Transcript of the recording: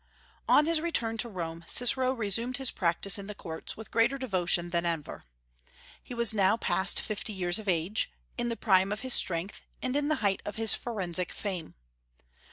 On his return to Rome Cicero resumed his practice in the courts with greater devotion than ever. He was now past fifty years of age, in the prime of his strength and in the height of his forensic fame.